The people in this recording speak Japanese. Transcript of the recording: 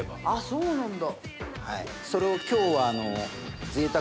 そうなんだ。